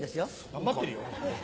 頑張ってるよ。